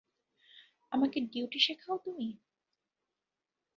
আমাকে ডিউটি শেখাও তুমি!